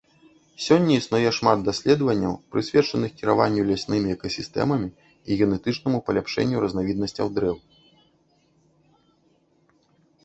Сёння існуе шмат даследаванняў, прысвечаных кіраванню ляснымі экасістэмамі і генетычнаму паляпшэнню разнавіднасцяў дрэў.